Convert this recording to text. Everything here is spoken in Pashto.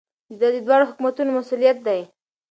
دا د دواړو حکومتونو مسؤلیت دی.